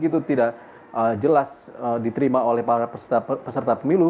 itu tidak jelas diterima oleh para peserta pemilu